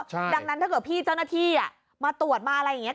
ดังนั้นถ้าเกิดพี่เจ้าหน้าที่มาตรวจมาอะไรอย่างนี้